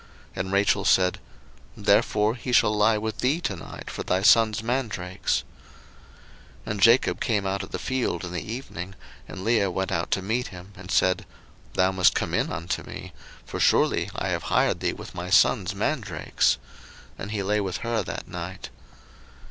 And Rachel said, Therefore he shall lie with thee to night for thy son's mandrakes. 01:030:016 And Jacob came out of the field in the evening, and Leah went out to meet him, and said, Thou must come in unto me; for surely I have hired thee with my son's mandrakes. And he lay with her that night.